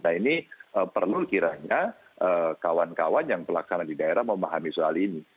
nah ini perlu kiranya kawan kawan yang pelaksana di daerah memahami soal ini